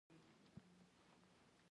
دوی غواړي له نړۍ سره اړیکه ولري.